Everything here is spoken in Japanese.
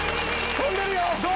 飛んでるよ！